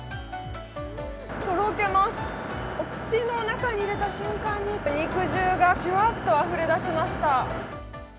とろけます、口の中に入れた瞬間に肉汁がジュワッとあふれ出しました。